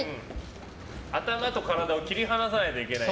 頭と体を切り離さないといけない。